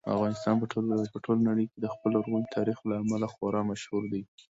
افغانستان په ټوله نړۍ کې د خپل لرغوني تاریخ له امله خورا مشهور دی.